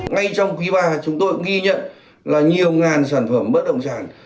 ngay trong quý ba chúng tôi ghi nhận là nhiều ngàn sản phẩm bất động sản